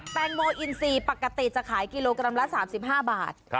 แตงโมอินซีปกติจะขายกิโลกรัมละ๓๕บาท